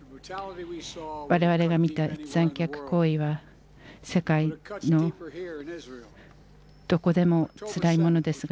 われわれが見た残虐行為は世界のどこでもつらいものですが